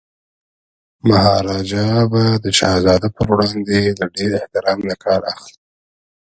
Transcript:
مهاراجا به د شهزاده پر وړاندي له ډیر احترام نه کار اخلي.